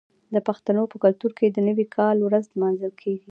د پښتنو په کلتور کې د نوي کال ورځ لمانځل کیږي.